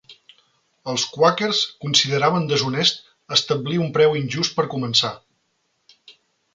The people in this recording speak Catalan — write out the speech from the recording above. Els quàquers consideraven deshonest establir un preu injust per començar.